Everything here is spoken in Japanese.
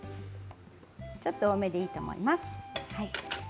ちょっと多めでいいと思います。